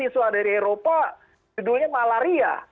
di suara dari eropa judulnya malaria